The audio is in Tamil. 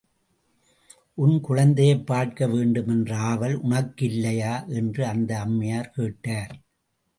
உன் குழந்தையைப் பார்க்க வேண்டும் என்ற ஆவல் உனக்கில்லையா? என்று அந்த அம்மையார் கேட்டார்.